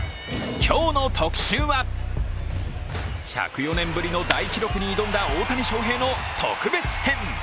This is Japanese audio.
今日の特集は、１０４年ぶりの大記録に挑んだ大谷翔平の特別編。